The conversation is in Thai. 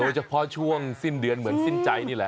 เฉพาะช่วงสิ้นเดือนเหมือนสิ้นใจนี่แหละ